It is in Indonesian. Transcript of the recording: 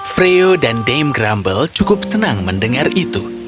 freo dan dame grumble cukup senang mendengar itu